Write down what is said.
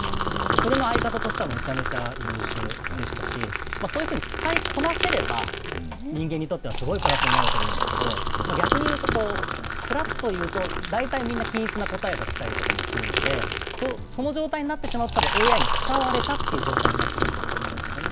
それの相方としてはめちゃめちゃ優秀でしたしそういうふうに使いこなせれば人間にとってすごいプラスになると思うんですけれども、逆に言うと、ふらっというと大体均一な答えが来たりするのでその状態になってしまうと、多分ＡＩに使われたという状態になっちゃうと思うんですよね。